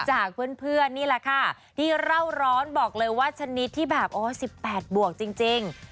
จากเพื่อนนี่แหละค่ะที่เล่าร้อนบอกเลยว่าชนิดที่แบบโอ้๑๘บวกจริง